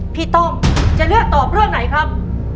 ต้มจะเลือกตอบเรื่องไหนครับ